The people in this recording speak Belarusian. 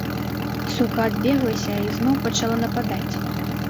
Сука адбеглася і зноў пачала нападаць.